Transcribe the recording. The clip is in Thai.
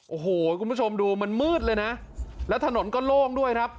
โอ้โหคุณผู้ชมดูมันมืดเลยนะแล้วถนนก็โล่งด้วยครับ